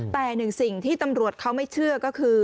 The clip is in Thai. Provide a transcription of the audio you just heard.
แต่หนึ่งสิ่งที่ตำรวจเขาไม่เชื่อก็คือ